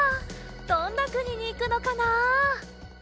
どんなくににいくのかな？